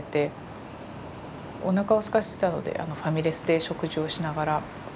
おなかをすかせてたのでファミレスで食事をしながら。